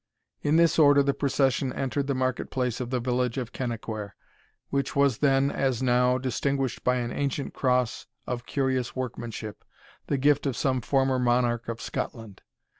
In this order the procession entered the market place of the village of Kennaquhair, which was then, as now, distinguished by an ancient cross of curious workmanship, the gift of some former monarch of Scotland.